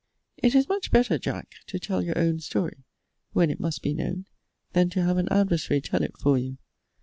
] It is much better, Jack, to tell your own story, when it must be known, than to have an adversary tell it for you.